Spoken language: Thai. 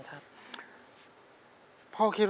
คัดเจ็ด